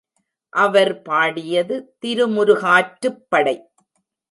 அவர் பாடியது திருமுருகாற்றுப் படை.